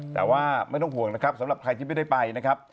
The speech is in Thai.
แต่ว่าไม่ต้องห่วงนะครับสำหรับใครที่ไม่ได้ไปนะครับ